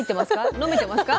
飲めてますか？